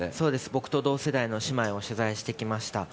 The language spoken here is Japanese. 僕と同世代の姉妹を取材してきました。